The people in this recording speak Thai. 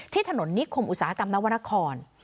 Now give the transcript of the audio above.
ถนนนิคมอุตสาหกรรมนวรรณคร